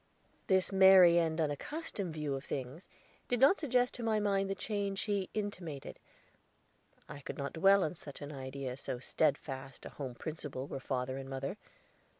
This merry and unaccustomed view of things did not suggest to my mind the change he intimated; I could not dwell on such an idea, so steadfast a home principle were father and mother.